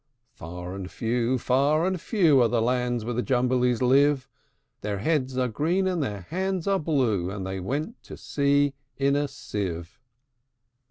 Far and few, far and few, Are the lands where the Jumblies live: Their heads are green, and their hands are blue; And they went to sea in a sieve.